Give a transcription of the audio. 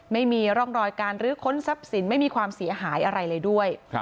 ไม่มีร่องรอยการรื้อค้นทรัพย์สินไม่มีความเสียหายอะไรเลยด้วย